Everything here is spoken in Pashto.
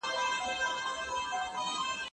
که کار په اخلاص سره وسي بریا یقیني ده.